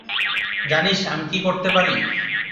জানিস আমি কী করতে পারি!